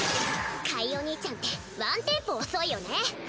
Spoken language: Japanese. カイお兄ちゃんってワンテンポ遅いよね。